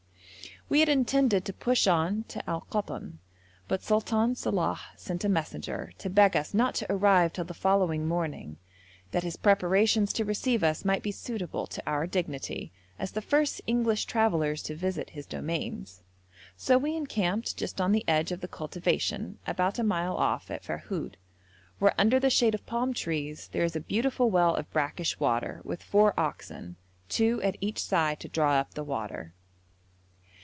We had intended to push on to Al Koton, but Sultan Salàh sent a messenger to beg us not to arrive till the following morning, that his preparations to receive us might be suitable to our dignity, as the first English travellers to visit his domains. So we encamped just on the edge of the cultivation, about a mile off, at Ferhud, where under the shade of palm trees there is a beautiful well of brackish water, with four oxen, two at each side to draw up the water.